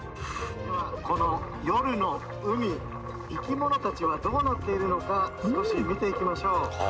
この夜の海、生き物たちはどうなっているのか少し見ていきましょう。